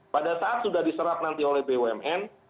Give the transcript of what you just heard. pada saat sudah diserap nanti oleh bumn